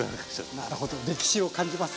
なるほど歴史を感じます。